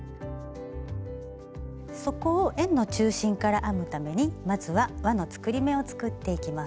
底を円の中心から編むためにまずはわの作り目を作っていきます。